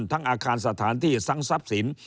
ทั้งอาคารสถานที่สร้างทรัพย์สิน